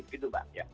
begitu mbak ya